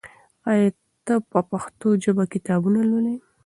آیا ته په پښتو ژبه کتابونه لولې؟